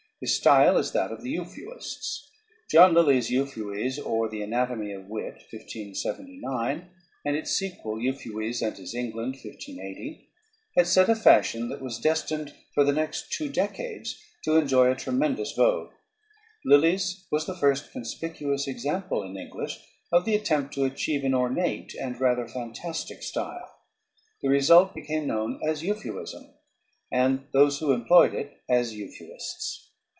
His style is that of the euphuists. John Lyly's "Euphues, or the Anatomy of Wit" (1579), and its sequel "Euphues and His England" (1580), had set a fashion that was destined for the next two decades to enjoy a tremendous vogue. Lyly's was the first conspicuous example in English of the attempt to achieve an ornate and rather fantastic style. The result became known as euphuism, and those who employed it as euphuists.